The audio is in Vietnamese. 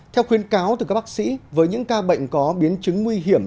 theo khuyên cáo từ các bác sĩ với những ca bệnh có biến chứng nguy hiểm